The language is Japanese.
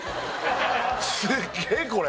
すっげえこれ！